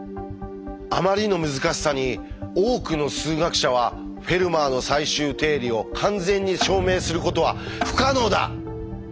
あまりの難しさに多くの数学者は「『フェルマーの最終定理』を完全に証明することは不可能だ！